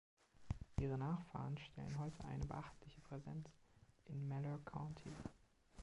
Ihre Nachfahren stellen heute eine beachtliche Präsenz in Malheur County.